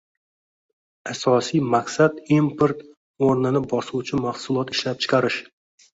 Asosiy maqsad import o‘rnini bosuvchi mahsulot ishlab chiqarish